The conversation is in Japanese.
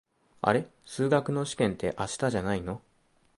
あれ、数学の試験って明日じゃないの？